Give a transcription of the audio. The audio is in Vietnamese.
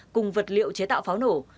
cùng vật liệu chế tạo pháo nổ